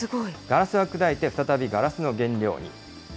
ガラスは砕いて、再びガラスの原料に。